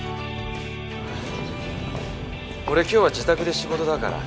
俺今日は自宅で仕事だから。